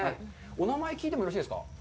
お名前、聞いてもよろしいですか？